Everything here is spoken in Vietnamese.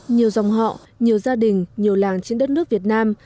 nhiều dòng họ nhiều gia đình nhiều làng trên đất nước việt nam